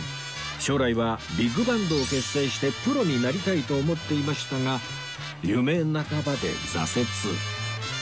将来はビッグバンドを結成してプロになりたいと思っていましたが夢半ばで挫折